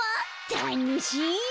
たのしい！